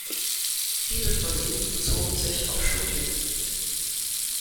Viele von Ihnen bezogen sich auf Studien.